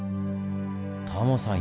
タモさん